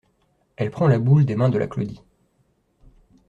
Elle prend la boule des mains de la Claudie.